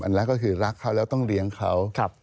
แรกก็คือรักเขาแล้วต้องเลี้ยงเขา